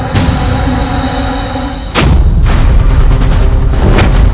dia yang menang